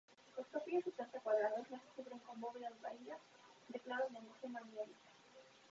Las capillas, de planta cuadrada, las cubren con bóvedas vaídas de claro lenguaje manierista.